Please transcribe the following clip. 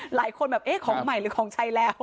หลายคนแบบครับของใหม่หรือของชัยแล้ว